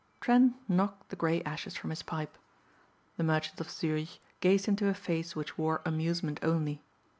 Trent knocked the gray ashes from his pipe. The merchant of Zurich gazed into a face which wore amusement only.